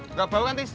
enggak bau kan tis